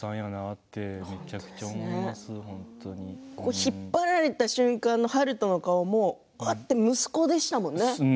引っ張られた瞬間の悠人の顔も息子でしたよね。